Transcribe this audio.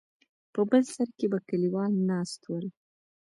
په بل سر کې به کليوال ناست ول.